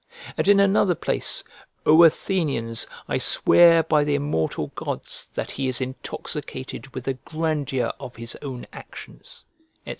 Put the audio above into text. And in another place: "O Athenians, I swear by the immortal gods that he is intoxicated with the grandeur of his own actions," &c.